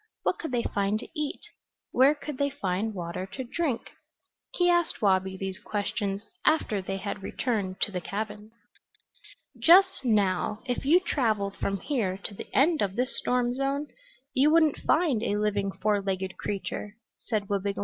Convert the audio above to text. What could they find to eat? Where could they find water to drink? He asked Wabi these questions after they had returned to the cabin. "Just now, if you traveled from here to the end of this storm zone you wouldn't find a living four legged creature," said Wabigoon.